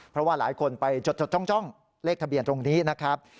เพราะว่าหลายคนไปจดจ้องเลขทะเบียนตรงนี้นะครับ